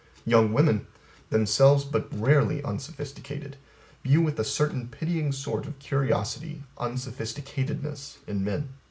Young women, themselves but rarely unsophisticated, view with a certain pitying sort of curiosity unsophisticatedness in men.